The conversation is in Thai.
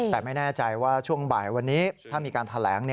แต่ไม่แน่ใจว่าช่วงบ่ายวันนี้ถ้ามีการแถลง